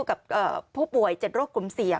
กับผู้ป่วย๗โรคกลุ่มเสี่ยง